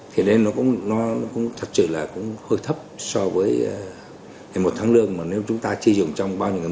thế nên nó cũng thật sự là hơi thấp so với một tháng lương mà nếu chúng ta chi dụng trong bao nhiêu ngày